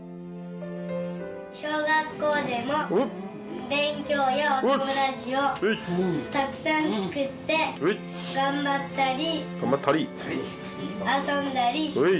小学校でも勉強やお友達をたくさん作って頑張ったり遊んだりします。